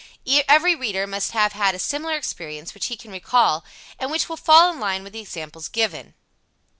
Every reader must have had a similar experience which he can recall, and which will fall in line with the examples given.